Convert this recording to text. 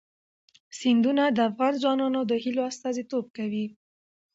سیندونه د افغان ځوانانو د هیلو استازیتوب کوي.